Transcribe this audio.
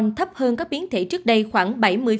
thấp hơn các biến thể trước đây khoảng bảy mươi